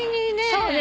そうね。